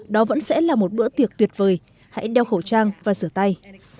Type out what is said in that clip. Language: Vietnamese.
đó vẫn sẽ là một bữa tiệc tuyệt vời hãy đeo khẩu trang và rửa tay